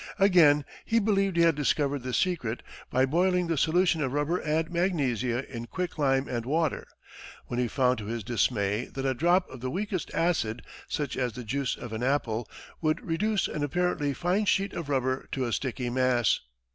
Again he believed he had discovered the secret by boiling the solution of rubber and magnesia in quicklime and water, when he found to his dismay that a drop of the weakest acid, such as the juice of an apple, would reduce an apparently fine sheet of rubber to a sticky mass.